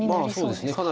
まあそうですね。